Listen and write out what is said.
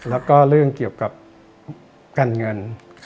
แล้วก็เรื่องเกี่ยวกับการเงิน